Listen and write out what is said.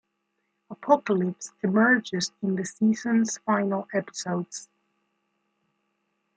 Apocalypse emerges in the season's final episodes.